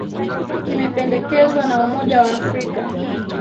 kimependekezwa na umoja wa afrika